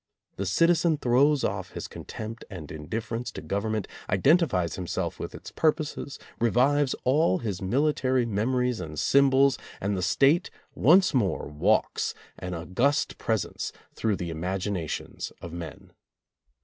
The citizen throws off his contempt and indifference to Gov ernment, identifies himself with its purposes, re vives all his military memories and symbols, and the State once more walks, an august presence, through the imaginations of men.